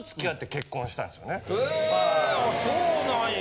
へぇそうなんや。